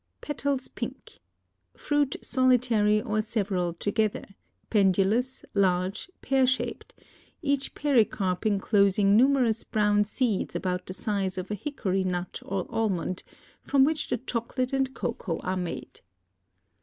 Petals pink. Fruit solitary or several together, pendulous, large, pear shaped; each pericarp enclosing numerous brown seeds about the size of a hickory nut or almond, from which the chocolate and cocoa are made.